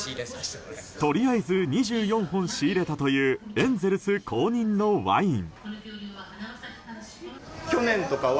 とりあえず２４本仕入れたというエンゼルス公認のワイン。